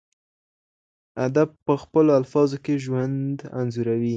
ادئب په خپلو الفاظو کي ژوند انځوروي.